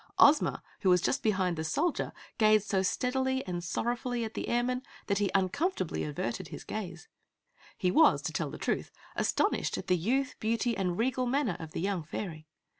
Ozma, who was just behind the Soldier, gazed so steadily and sorrowfully at the Airman that he uncomfortably averted his gaze. He was, to tell the truth, astonished at the youth, beauty and regal manner of the young Fairy.